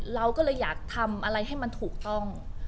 เราก็เลยอยากทำอะไรให้มันถูกต้อง